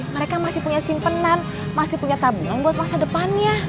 mereka masih punya simpenan masih punya tabungan buat masa depannya